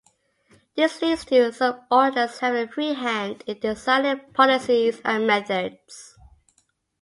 This leads to subordinates having a free hand in deciding policies and methods.